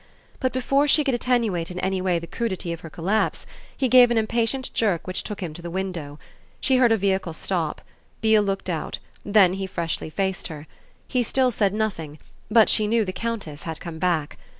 But before she could attenuate in any way the crudity of her collapse he gave an impatient jerk which took him to the window. She heard a vehicle stop; Beale looked out; then he freshly faced her. He still said nothing, but she knew the Countess had come back.